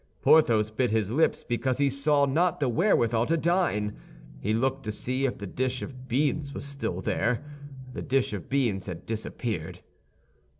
Porthos bit his lips because he saw not the wherewithal to dine. He looked to see if the dish of beans was still there; the dish of beans had disappeared.